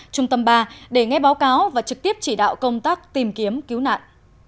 trung tâm ba để nghe báo cáo và trực tiếp chỉ đạo công tác tìm kiếm cứu nạn